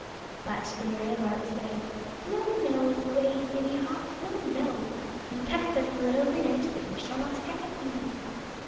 But the merry lark said, "No, no, gray, greedy hawk, no, no! You pecked at the little linnet, but you shall not peck at me."